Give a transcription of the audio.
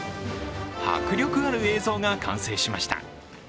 迫力ある映像が完成しました。